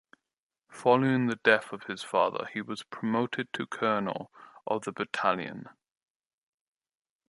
Following the death of his father, he was promoted to colonel of the battalion.